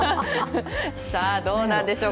さあどうなんでしょう。